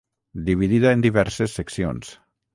Dividida en diverses seccions.